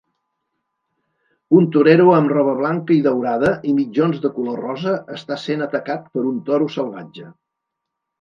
Un torero amb roba blanca i daurada i mitjons de color rosa està sent atacat per un toro salvatge.